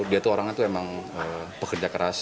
dia tuh orangnya tuh emang pekerja keras